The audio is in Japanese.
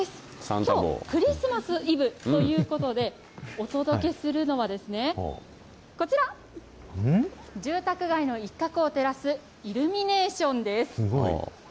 きょう、クリスマスイブということで、お届けするのは、こちら、住宅街の一角を照らすイルミネーションです。